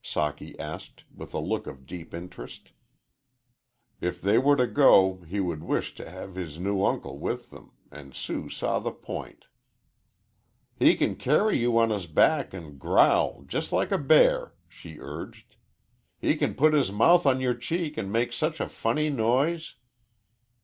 Socky asked, with a look of deep interest. If they were to go he would wish to have his new uncle with them, and Sue saw the point. "He can carry you on his back and growl jes' like a bear," she urged. "He can put his mouth on your cheek and make such a funny noise."